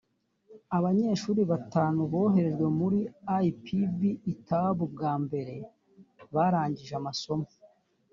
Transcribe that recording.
abanyeshuri batanu boherejwe muri ipb utab bwa mbere barangije amasomo